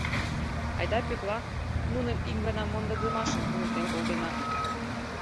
— Айда, Пӧкла, нуным ик гана мондыдымашын туныктен колтена.